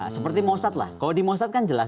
seperti mosat lah kalau di mosat kan jelas